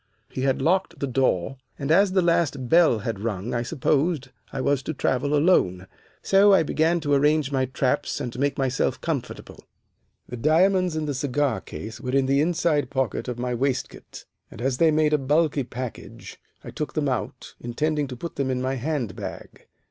He had locked the door, and as the last bell had rung I supposed I was to travel alone, so I began to arrange my traps and make myself comfortable. The diamonds in the cigar case were in the inside pocket of my waistcoat, and as they made a bulky package, I took them out, intending to put them in my hand bag.